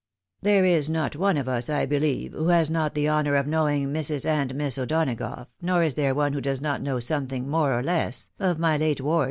There is not one of us, I beheve, who has not the honour of knowing Mrs. and Miss O'Donagough, nor is there one who does not know something, more or less, of my late ward.